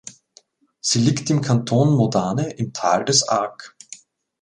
Sie liegt im Kanton Modane im Tal des Arc.